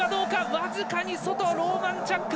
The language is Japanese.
僅かに外ローマンチャック！